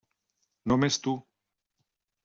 Només tu.